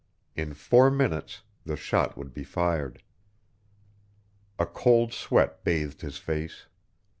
In four minutes the shot would be fired. A cold sweat bathed his face.